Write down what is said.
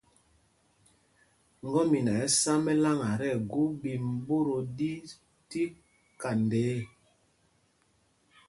Ŋgɔ́mina ɛ́ ɛ́ sá mɛláŋa tí ɛgu ɓīm ɓot o ɗi tí kanda ê.